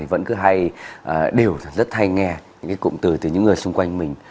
vẫn cứ hay điều rất hay nghe những cụm từ từ những người xung quanh mình